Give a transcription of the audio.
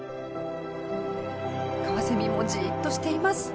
カワセミもじっとしています。